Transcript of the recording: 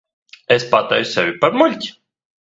Es pataisu sevi par muļķi.